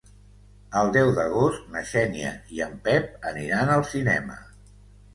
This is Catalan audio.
El deu d'agost na Xènia i en Pep aniran al cinema.